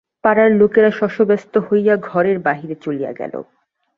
পাড়ার লোকেরা শশব্যস্ত হইয়া ঘরের বাহিরে চলিয়া গেল।